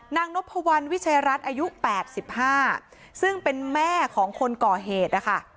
นางนพวัลวิชัยรัฐอายุ๘๕ซึ่งเป็นแม่ของคนก่อเหตุนะคะ